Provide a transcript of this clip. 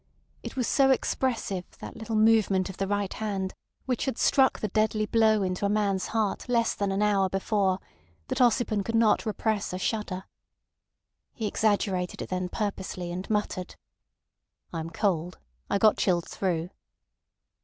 It was so expressive that little movement of that right hand which had struck the deadly blow into a man's heart less than an hour before that Ossipon could not repress a shudder. He exaggerated it then purposely, and muttered: "I am cold. I got chilled through."